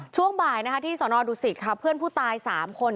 ช่วงบ่ายที่สนดุสิตค่ะเพื่อนผู้ตาย๓คน